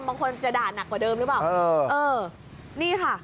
บางคนจะด่าหนักกว่าเดิมรึเปล่า